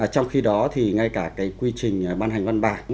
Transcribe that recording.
trong khi đó thì ngay cả cái quy trình ban hành văn bản